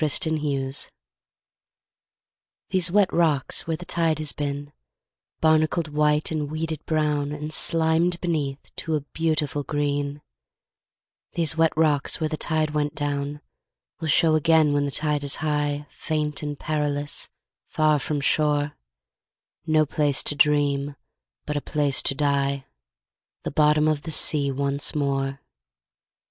LOW TIDE These wet rocks where the tide has been, Barnacled white and weeded brown And slimed beneath to a beautiful green, These wet rocks where the tide went down Will show again when the tide is high Faint and perilous, far from shore, No place to dream, but a place to die, The bottom of the sea once more.